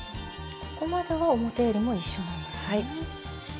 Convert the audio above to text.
ここまでは表えりも一緒なんですね。